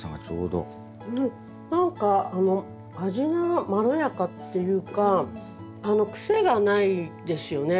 何か味がまろやかっていうか癖がないですよね。